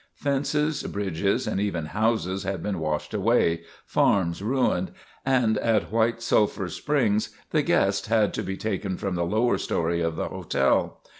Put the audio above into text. Fences, bridges and even houses had been washed away, farms ruined, and at White Sulphur Springs the guests had to be taken from the lower story of the hotel.